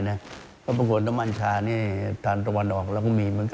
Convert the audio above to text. อะไรได้อย่างนี้